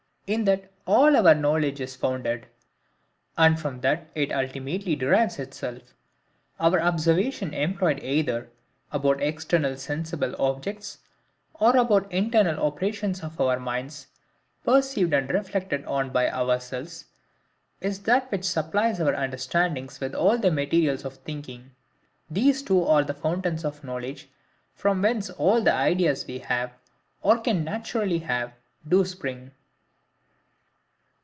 In that all our knowledge is founded; and from that it ultimately derives itself. Our observation employed either, about external sensible objects, or about the internal operations of our minds perceived and reflected on by ourselves, is that which supplies our understandings with all the MATERIALS of thinking. These two are the fountains of knowledge, from whence all the ideas we have, or can naturally have, do spring.